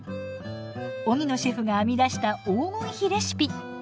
荻野シェフが編み出した黄金比レシピ。